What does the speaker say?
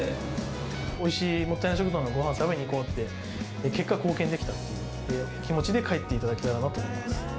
おいしい、もったいない食堂のごはんを食べに行こうって、結果、貢献できたって気持ちで帰っていただけたらなと思っています。